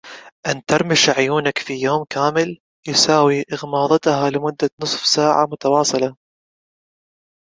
أن ترميش عيونك في يوم كامل، يساوي إغماضهما لمدة نصف ساعة متواصلة.